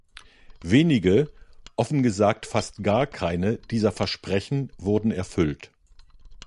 Wenige – offen gesagt, fast gar keine – dieser Versprechen wurden erfüllt.